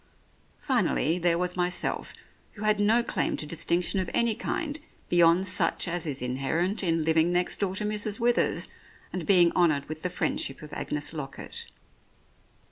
Finally, there was myself, who had no claim to distinction of any kind beyond such as is inherent in living next door to Mrs. Withers and being honoured with the friendship of Agnes Lockett.